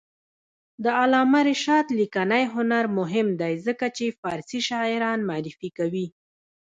د علامه رشاد لیکنی هنر مهم دی ځکه چې فارسي شاعران معرفي کوي.